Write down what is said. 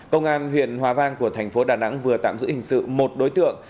công an huyện hòa vang của thành phố đà nẵng vừa tạm giữ hình sự một đối tượng